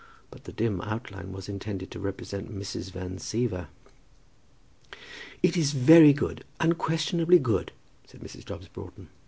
But the dim outline was intended to represent Mrs. Van Siever. "It is very good, unquestionably good," said Mrs. Dobbs Broughton.